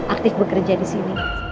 aktif bekerja disini